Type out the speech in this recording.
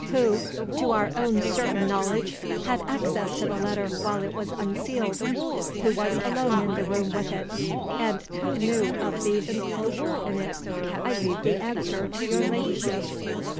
Who, to our own certain knowledge, had access to the letter while it was unsealed? Who was alone in the room with it? And who knew of the inclosure in it? I leave the answer to your Ladyship."